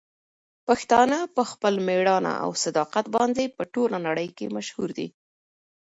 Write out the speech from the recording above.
پښتانه په خپل مېړانه او صداقت باندې په ټوله نړۍ کې مشهور دي.